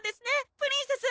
プリンセス！